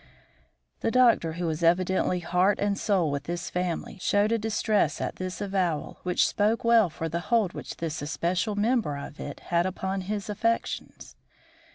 The doctor, who was evidently heart and soul with this family, showed a distress at this avowal which spoke well for the hold which this especial member of it had upon his affections.